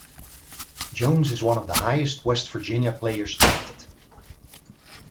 Jones is one of the highest West Virginia players drafted.